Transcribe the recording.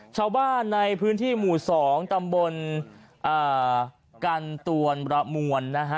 ชาวบ้านในพื้นที่หมู่๒ตำบลกันตวนระมวลนะฮะ